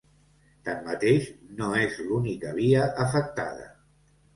Tanmateix, no és l’única via afectada.